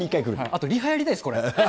あとリハやりたいです、